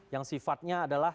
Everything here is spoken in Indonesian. yang sifatnya adalah